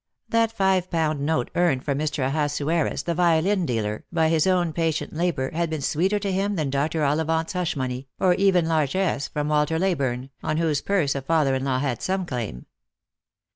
That five pound note earned from Mr. Ahasuerus, the violin dealer, by his own patient labour had been sweeter to him than Dr. Ollivant's hush money, or even largesse from Walter Ley burne, on whose purse a father in law had some claim.